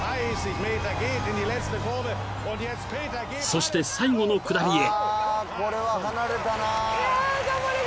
［そして最後の下りへ］